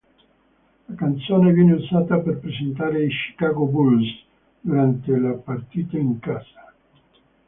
La canzone viene usata per presentare i Chicago Bulls durante le partite in casa.